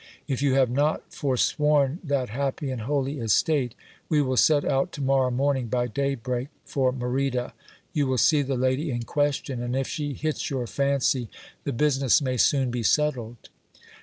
If you have not forsworn that happy and holy estate, we will set out to morrow morning by daybreak for Merida : you will see the lady in question, and if she hits your fancy, the business may soon be settled.